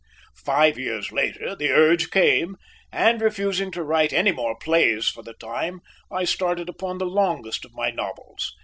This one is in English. Five years later, the urge came and, refusing to write any more plays for the time, I started upon the longest of all my novels.